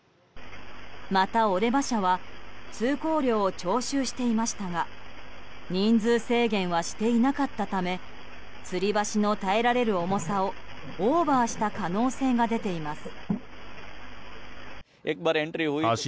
また、オレバ社は通行料を徴収していましたが人数制限はしていなかったためつり橋の耐えられる重さをオーバーした可能性が出ています。